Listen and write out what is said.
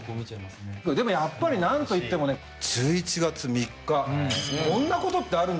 でもやっぱり何といってもね１１月３日。